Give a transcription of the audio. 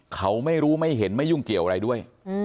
เขาไม่รู้ไม่เห็นไม่ยุ่งเกี่ยวอะไรด้วย